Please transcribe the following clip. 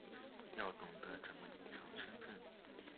要懂得怎么隐藏身份